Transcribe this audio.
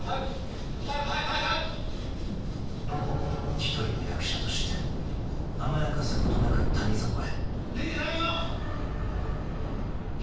［一人の役者として甘やかすことなく谷底へ］